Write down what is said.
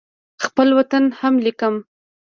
خپل وطن هم لیکم.